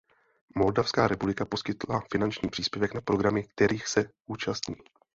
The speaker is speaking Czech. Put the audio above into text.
Moldavská republika poskytla finanční příspěvek na programy, kterých se účastní.